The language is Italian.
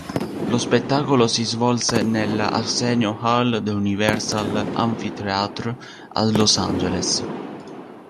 Lo spettacolo si svolse nella Arsenio Hall del Universal Amphitheatre a Los Angeles.